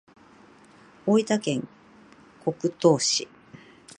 大分県国東市